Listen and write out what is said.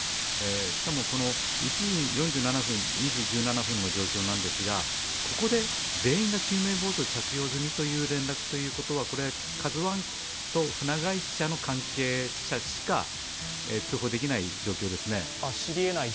しかも、１時４７分２時１７分の状況なんですがここで全員が救命胴衣を着用済みという連絡ということは、「ＫＡＺＵⅠ」と船会社の関係者しか知り得ない情報ですね。